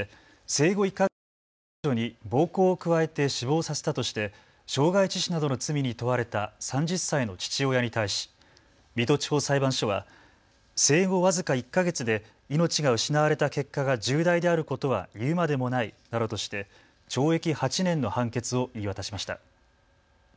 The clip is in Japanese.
生後１か月だった長女に暴行を加えて死亡させたとして傷害致死などの罪に問われた３０歳の父親に対し水戸地方裁判所は生後僅か１か月で命が失われた結果が重大であることはいうまでもないなどとして懲役８年の判決を言い渡しました。